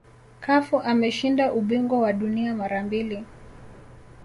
cafu ameshinda ubingwa wa dunia mara mbili